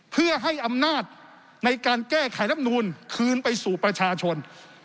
เพื่อให้อำนาจในการแก้ไขรับนูลคืนไปสู่ประชาชน